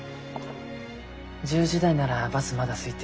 １０時台ならバスまだすいてるし。